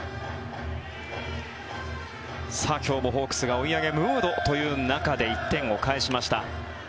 今日もホークスが追い上げムードという中で１点を返しました。